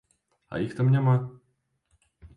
А іх там няма!